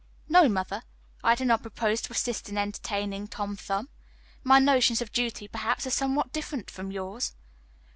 "No, mother, I do not propose to assist in entertaining Tom Thumb. My notions of duty, perhaps, are somewhat different from yours."